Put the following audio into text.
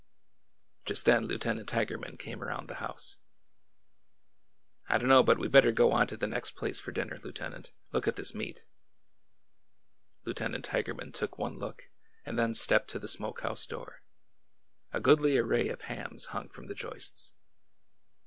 Just then Lieutenant Tigerman came around the house. I don't know but we 'd better go on to the next place for dinner. Lieutenant. Look at this meat." Lieutenant Tigerman took one look and then stepped to the smoke house door. A goodly array of hams hung from the joists.